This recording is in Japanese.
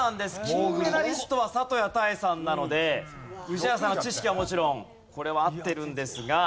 金メダリストは里谷多英さんなので宇治原さんは知識はもちろんこれは合ってるんですが。